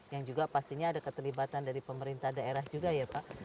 yang juga pastinya ada keterlibatan dari pemerintah daerah juga ya pak